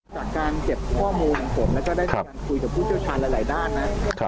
จากการเก็บข้อมูลของผมแล้วก็ได้มีการคุยกับผู้เชี่ยวชาญหลายด้านนะ